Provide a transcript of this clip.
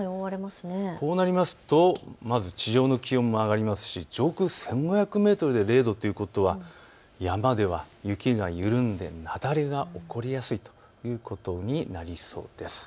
こうなりますとまず地上の気温が上がりますし上空１５００メートルで０度ということは雪が緩んで雪崩が起こりやすいということになりそうです。